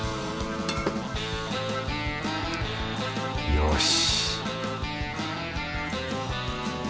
よし